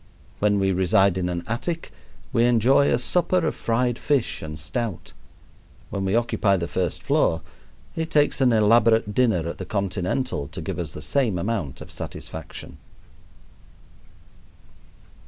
When we reside in an attic we enjoy a supper of fried fish and stout. When we occupy the first floor it takes an elaborate dinner at the Continental to give us the same amount of satisfaction.